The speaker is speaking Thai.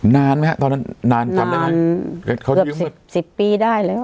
นานไหมฮะตอนนั้นนานนานเกือบสิบปีได้เลย